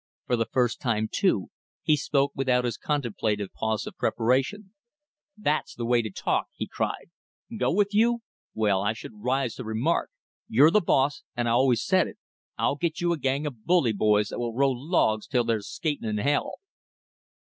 For the first time, too, he spoke without his contemplative pause of preparation. "That's th' way to talk!" he cried. "Go with you? Well I should rise to remark! You're the boss; and I always said it. I'll get you a gang of bully boys that will roll logs till there's skating in hell!"